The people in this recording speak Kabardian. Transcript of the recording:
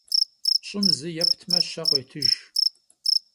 Ş'ım zı yêptme, şe khıuêtıjj.